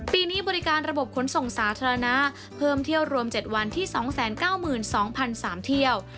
ปีนี้บริการระบบขนส่งสาธารณะเพิ่มเที่ยวรวม๗วันที่๒๙๒๓เที่ยว